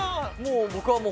僕はもう。